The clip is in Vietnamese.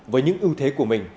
với những ưu thế của mình